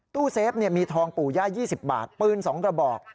ตู้เซฟมีทองปู่ย่า๒๐บาทปืน๒กระบอก